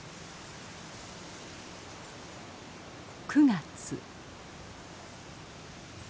９月。